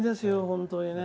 本当にね。